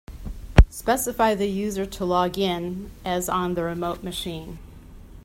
Specify the user to log in as on the remote machine.